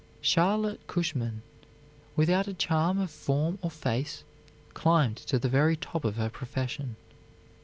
Charlotte Cushman, without a charm of form or face, climbed to the very top of her profession.